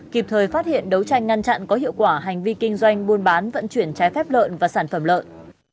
kịp thời phát hiện đấu tranh ngăn chặn có hiệu quả hành vi kinh doanh buôn bán vận chuyển trái phép lợn và sản phẩm lợn